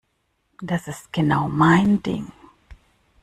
Das ist genau mein Ding.